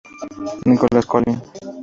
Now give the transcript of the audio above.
Nicolás Colin.